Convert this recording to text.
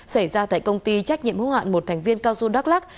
xảy ra tại công ty trách nhiệm hữu hạn một thành viên cao su đắk lắc